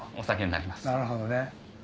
なるほどね。